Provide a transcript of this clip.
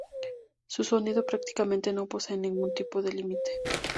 Su sonido prácticamente no posee ningún tipo de límite.